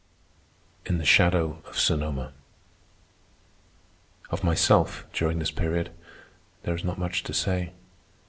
IN THE SHADOW OF SONOMA Of myself, during this period, there is not much to say.